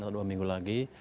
atau dua minggu lagi